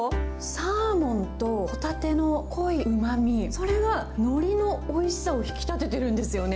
サーモンとホタテの濃いうまみ、それがのりのおいしさを引き立てているんですよね。